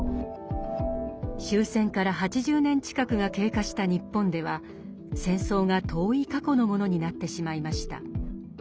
終戦から８０年近くが経過した日本では戦争が遠い過去のものになってしまいました。